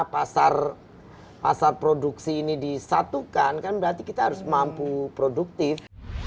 pasar produksi ini disatukan kan berarti kita harus mampu produktif